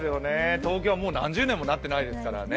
東京はもう何十年もなっていないですからね。